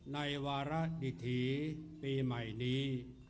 ในวาระดิถีปีใหม่นี้